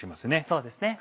そうですね。